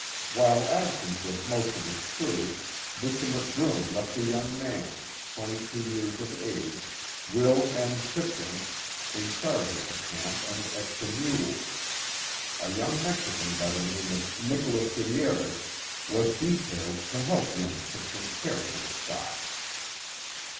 While absent with most of his crew, Mr. McBroom left a young man, twenty two years of age, Will M. Tipton, in charge of the camp and extra mules. A young Mexican by the name of Nicholas Gutierez was detailed to help young Tipton care for the stock.